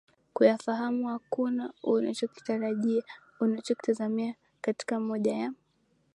kuyafahamu Hakuna unachokitarajia unachokitazamia katika moja ya